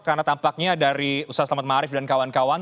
karena tampaknya dari ustaz selamat marif dan kawan kawan